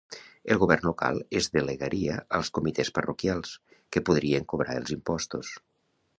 El govern local es delegaria als comitès parroquials, que podrien cobrar els impostos.